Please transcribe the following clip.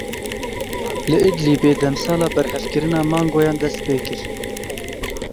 Li Idlibê demsala berhevkirina mangoyan dest pê kir.